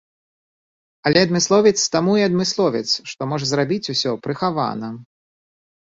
Але адмысловец таму і адмысловец, што можа зрабіць усё прыхавана.